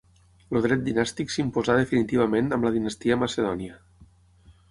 El dret dinàstic s'imposà definitivament amb la dinastia macedònia.